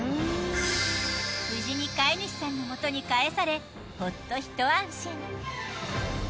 無事に飼い主さんの元に返されほっと一安心。